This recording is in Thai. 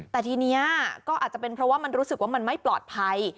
แต่ทีนี้ก็อาจจะเป็นเพราะว่ามันรู้สึกว่ามันไม่ปลอดภัย